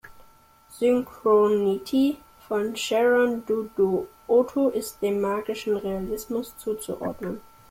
"Synchronicity" von Sharon Dodua Otoo ist dem magischen Realismus zuzuordnen.